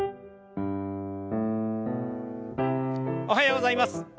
おはようございます。